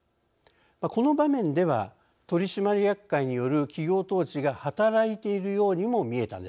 この場面では取締役会による企業統治が働いているようにも見えたのです。